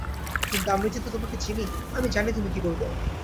কিন্তু আমি যদি তোমাকে চিনি আমি জানি তুমি কি করবে।